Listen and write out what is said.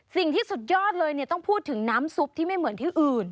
ที่สุดยอดเลยเนี่ยต้องพูดถึงน้ำซุปที่ไม่เหมือนที่อื่น